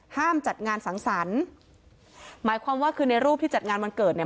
ห้ามจัดงานสังสรรค์หมายความว่าคือในรูปที่จัดงานวันเกิดเนี่ย